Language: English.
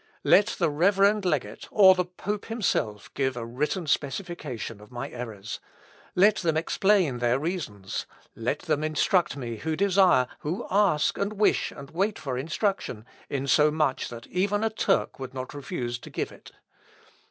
"Let the reverend legate, or the pope himself, give a written specification of my errors; let them explain their reasons; let them instruct me who desire, who ask, and wish, and wait for instruction, in so much that even a Turk would not refuse to give it.